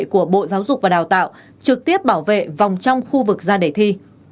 của bộ giáo dục và đào tạo trực tiếp bảo vệ vòng trong khu vực ra để thi